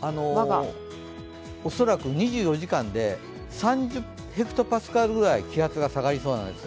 恐らく２４時間で３０ｈＰａぐらい気圧が下がりそうなんです。